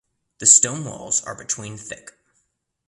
The stone walls are between thick.